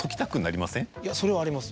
それはあります。